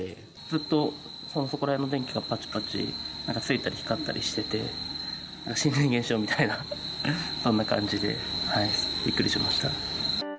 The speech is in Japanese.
ずっとそこら辺の電気がぱちぱちついたり光ったりしてて、心霊現象みたいな、そんな感じでびっくりしました。